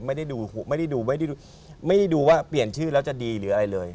ไม่ได้ดูไม่ได้ดูไม่ได้ดูว่าเปลี่ยนชื่อแล้วจะดีหรืออะไรเลย